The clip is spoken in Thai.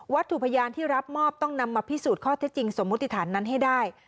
ถูกพยานที่รับมอบต้องนำมาพิสูจน์ข้อเท็จจริงสมมุติฐานนั้นให้ได้